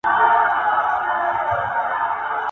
پښتو ژبه په نړیواله کچه مشهوره کړئ.